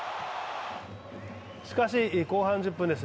しかし後半１０分です。